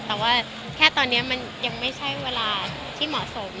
แต่ว่าแค่ตอนนี้มันยังไม่ใช่เวลาที่เหมาะสม